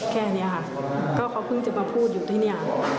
แค่นี้ค่ะก็เขาเพิ่งจะมาพูดอยู่ที่นี่